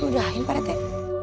ludahin pak reten